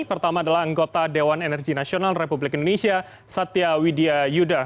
pertama adalah anggota dewan energi nasional republik indonesia satya widya yuda